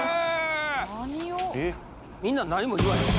みんな何も言わへん。